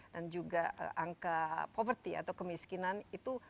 dan juga angka poverty atau kemiskinan itu